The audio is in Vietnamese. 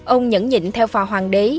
ông nhẫn nhịn theo phò hoàng đế